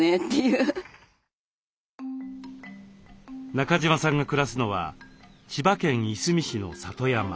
中島さんが暮らすのは千葉県いすみ市の里山。